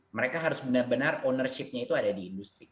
mereka harus benar benar ownership nya itu ada di industri